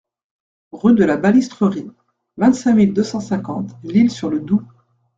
Rue de la Balistrerie, vingt-cinq mille deux cent cinquante L'Isle-sur-le-Doubs